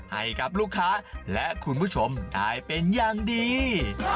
ให้กับลูกค้าและคุณผู้ชมได้เป็นอย่างดี